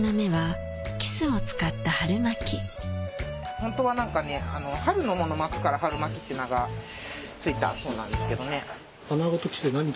本当は春のもの巻くから春巻きって名が付いたそうなんですけどね。